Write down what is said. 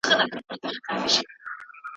د نادرلښکري راغلې تر کرناله